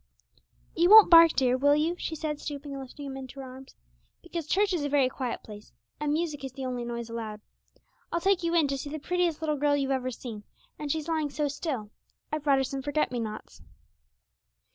'You won't bark, dear, will you?' she said stooping and lifting him into her arms; 'because church is a very quiet place, and music is the only noise allowed. I'll take you in to see the prettiest little girl you've ever seen, and she's lying so still. I've brought her some forget me nots.'